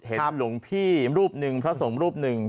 เห็นหลวงพี่รูปหนึ่งเพราะส่งรูปหนึ่ง